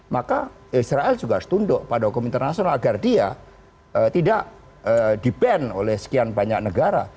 maka israel juga harus tunduk pada hukum internasional agar dia tidak di ban oleh sekian banyak negara